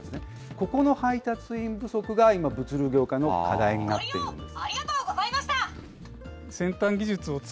ここの配達員不足が今、物流業界の課題になっているんです。